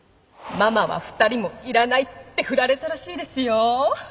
「ママは２人もいらない」って振られたらしいですよ